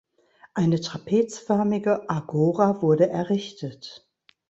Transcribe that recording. Eine trapezförmige Agora wurde errichtet.